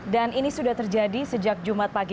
dan ini sudah terjadi sejak jumat pagi